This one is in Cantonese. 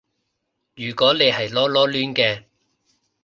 如果你係囉囉攣嘅